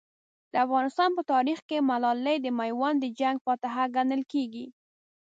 د افغانستان په تاریخ کې ملالۍ د میوند د جنګ فاتحه ګڼل کېږي.